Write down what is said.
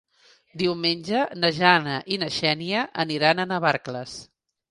Diumenge na Jana i na Xènia aniran a Navarcles.